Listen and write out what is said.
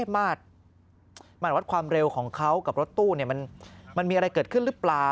มาตรวัดความเร็วของเขากับรถตู้มันมีอะไรเกิดขึ้นหรือเปล่า